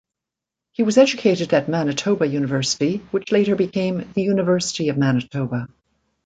He was educated at Manitoba University, which later became the University of Manitoba.